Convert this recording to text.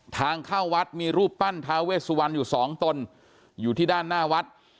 ทางเข้าวัดมีรูปปั้นทาเวสวันอยู่สองตนอยู่ที่ด้านหน้าวัด